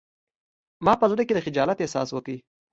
ما په زړه کې د خجالت احساس وکړ